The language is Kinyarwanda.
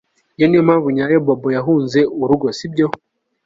Iyo niyo mpamvu nyayo Bobo yahunze urugo sibyo